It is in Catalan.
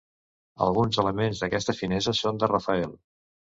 Alguns elements d'aquesta finesa són de Rafael.